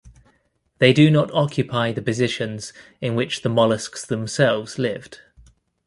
They do not occupy the positions in which the molluscs themselves lived.